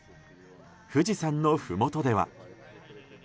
富士山のふもとでは。